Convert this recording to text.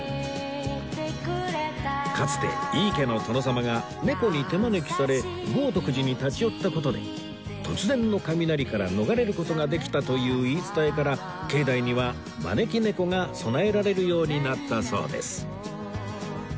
かつて井伊家の殿様が猫に手招きされ豪徳寺に立ち寄った事で突然の雷から逃れる事ができたという言い伝えから境内には招き猫が供えられるようになったそうです